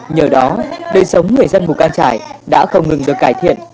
nhờ đó đời sống người dân mù cang trải đã không ngừng được cải thiện